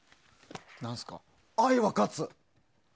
「愛は勝つ」。